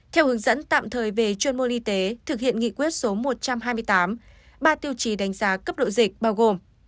theo hướng dẫn tạm thời về chuyên môn y tế thực hiện nghị quyết số một trăm hai mươi tám ba tiêu chí đánh giá cấp độ dịch bao gồm